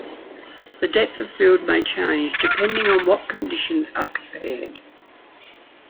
The depth of field may change, depending on what conditions are compared.